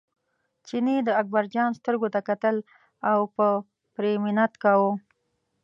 چیني د اکبرجان سترګو ته کتل او په پرې منت کاوه.